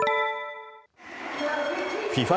ＦＩＦＡ